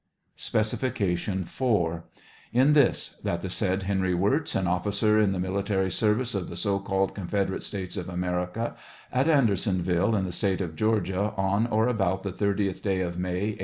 Specijicalion 4. — In this : that the said Henry Wirz, an officer in the military service of the so called Confederate States of America, at Andersonville, in the State of Georgia, on or about the thirtieth day of May, A.